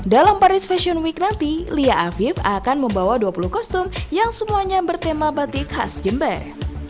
dalam paris fashion week nanti lia afif akan membawa dua puluh kostum yang semuanya bertema batik khas jember